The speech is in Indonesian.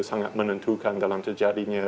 sangat menentukan dalam terjadinya